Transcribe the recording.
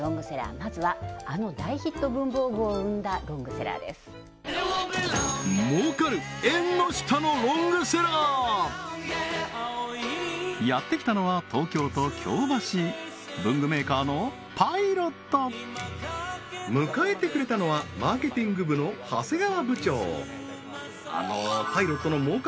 まずはあの大ヒット文房具を生んだロングセラーですやってきたのは迎えてくれたのはマーケティング部の長谷川部長